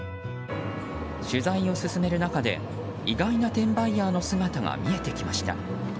取材を進める中で意外な転売ヤーの姿が見えてきました。